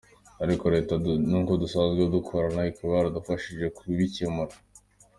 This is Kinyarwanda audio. Ariko Leta nkuko dusanzwe dukorana ikaba yaradufashije kubicyemura.